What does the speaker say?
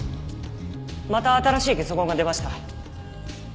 また新しいゲソ痕が出ました。